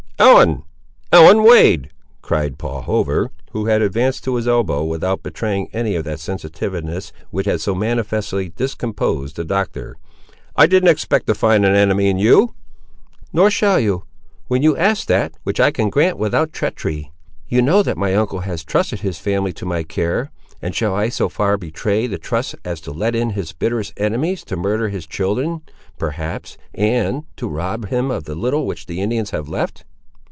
"Ellen! Ellen Wade," cried Paul Hover, who had advanced to his elbow, without betraying any of that sensitiveness which had so manifestly discomposed the Doctor; "I didn't expect to find an enemy in you!" "Nor shall you, when you ask that, which I can grant without treachery. You know that my uncle has trusted his family to my care, and shall I so far betray the trust as to let in his bitterest enemies to murder his children, perhaps, and to rob him of the little which the Indians have left?"